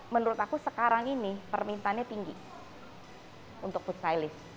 menurut aku sekarang ini permintaannya tinggi untuk food stylist